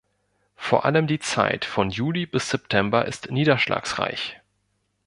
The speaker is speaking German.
Vor allem die Zeit von Juli bis September ist niederschlagsreich.